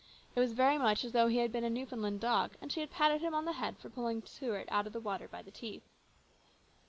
It was very much as though he had been a Newfoundland dog and she had patted him on the head for pulling Stuart out of the water by the teeth.